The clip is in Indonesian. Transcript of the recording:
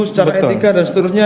secara etika dan seterusnya